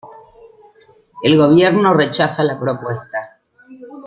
El gobierno rechaza la propuesta.